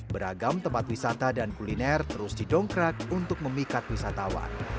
beragam tempat wisata dan kuliner terus didongkrak untuk memikat wisatawan